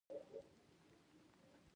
د غصې کنټرول لارې